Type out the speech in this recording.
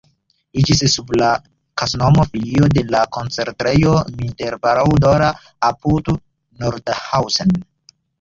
Iĝis sub la kaŝnomo filio de la koncentrejo Mittelbau-Dora apud Nordhausen.